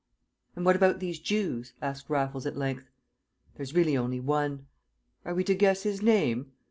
"And what about these Jews?" asked Raffles at length. "There's really only one." "Are we to guess his name?"